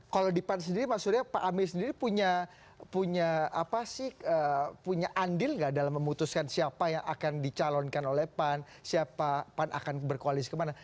kalau di pan sendiri mas surya pak amin sendiri punya apa sih punya andil nggak dalam memutuskan siapa yang akan dicalonkan oleh pan siapa pan akan berkoalisi kemana